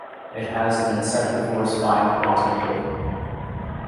It has an insectivore's fine pointed bill.